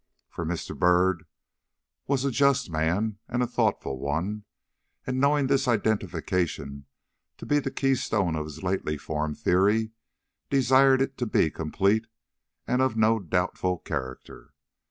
For Mr. Byrd was a just man and a thoughtful one, and knowing this identification to be the key stone of his lately formed theory, desired it to be complete and of no doubtful character.